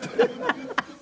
ハハハハ。